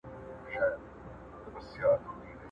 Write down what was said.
د پوهاند، خلکو درکړي لقبونه،